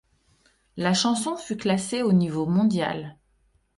La chanson fut classée au niveau mondial.